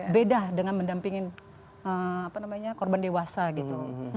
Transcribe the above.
beda dengan mendampingin korban dewasa gitu